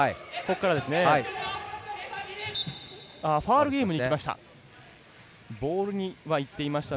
ファウルゲームにいきました。